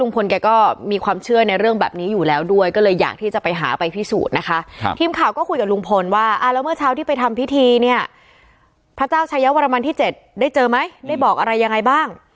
ประมาณที่๗ได้เจอไหมได้บอกอะไรยังไงบ้าง